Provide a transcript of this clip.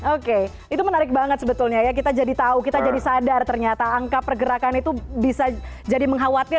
oke itu menarik banget sebetulnya ya kita jadi tahu kita jadi sadar ternyata angka pergerakan itu bisa jadi mengkhawatir